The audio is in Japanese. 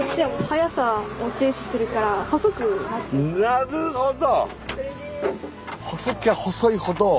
なるほど。